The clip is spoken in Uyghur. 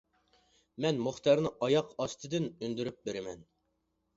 مەن مۇختەرنى ئاياق ئاستىدىن ئۈندۈرۈپ بېرىمەن.